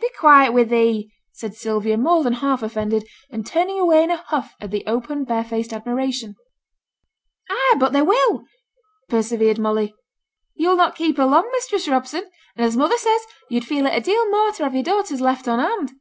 'Be quiet wi' thee,' said Sylvia, more than half offended, and turning away in a huff at the open barefaced admiration. 'Ay; but they will,' persevered Molly. 'Yo'll not keep her long, Mistress Robson. And as mother says, yo'd feel it a deal more to have yer daughters left on hand.'